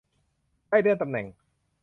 ได้เลื่อนตำแหน่ง